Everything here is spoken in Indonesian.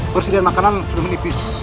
persediaan makanan sudah menipis